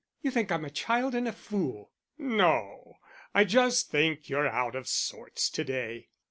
"You think I'm a child and a fool." "No, I just think you're out of sorts to day."